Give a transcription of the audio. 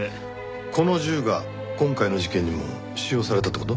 この銃が今回の事件にも使用されたって事？